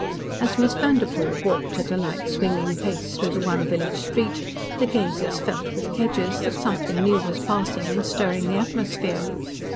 As Miss Vanderpoel walked at a light, swinging pace through the one village street the gazers felt with Kedgers that something new was passing and stirring the atmosphere.